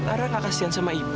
lara gak kasihan sama ibu